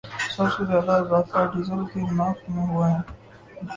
سب سے زیادہ اضافہ ڈیزل کے نرخ میں ہوا ہے